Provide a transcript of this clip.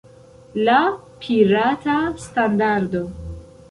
La pirata standardo!